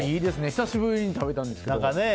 久しぶりに食べたんですけど。